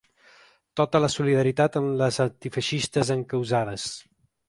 Tota la solidaritat amb les antifeixistes encausades.